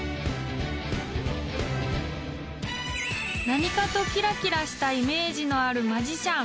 ［何かとキラキラしたイメージのある］